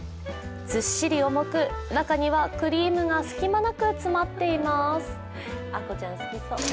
ずっしり重く中にはクリームが隙間なく詰まっています。